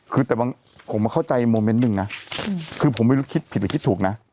คือแต่บางผมมาเข้าใจโมเมนต์หนึ่งนะคือผมไม่รู้คิดผิดหรือคิดถูกนะ